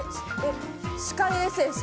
歯科衛生士。